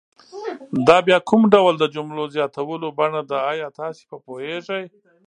دا بیا کوم ډول د جملو زیاتولو بڼه ده آیا تاسې په پوهیږئ؟